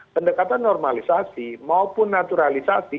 pendekatan normalisasi maupun naturalisasi